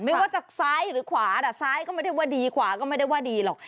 ไม่ว่าจะซ้ายหรือขวาแต่ซ้ายก็ไม่ได้ว่าดีกว่าก็ไม่ได้ว่าดีหรอก